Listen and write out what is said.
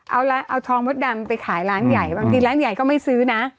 เอาทองมดดำไปขายร้านใหญ่บางทีร้านใหญ่ก็ไม่ซื้อนะ